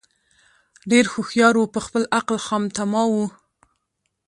ډېر هوښیار وو په خپل عقل خامتماوو